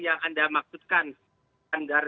yang anda maksudkan standar